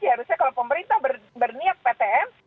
harusnya kalau pemerintah berniat ptm